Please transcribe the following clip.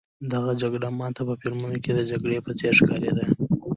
دغه جګړه ما ته په فلمونو کې د جګړې په څېر ښکارېده.